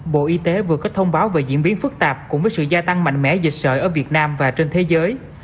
bộ y tế vừa có thông báo về diễn biến phức tạp cùng với sự gia tăng mạnh mẽ dịch sởi ở việt nam và trên thế giới